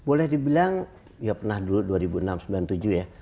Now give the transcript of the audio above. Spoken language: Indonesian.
boleh dibilang ya pernah dulu dua ribu enam dua ribu tujuh ya